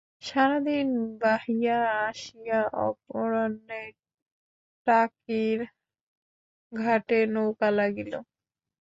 সারাদিন বাহিয়া আসিয়া অপরাহ্নে টাকীর ঘাটে নৌকা লাগিল।